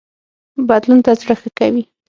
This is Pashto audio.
بدلون ته زړه ښه کوي